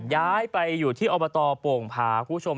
ย้ายไปอยู่ที่อบตโป่งผาคุณผู้ชม